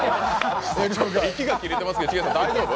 息が切れてますけどチゲさん、大丈夫？